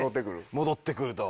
戻ってくると。